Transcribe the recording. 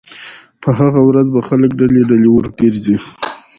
په هغه ورځ به خلک ډلې ډلې ورګرځي